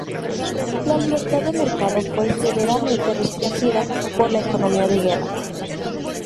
La libertad de mercado fue severamente restringida por la economía de guerra.